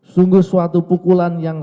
sungguh suatu pukulan yang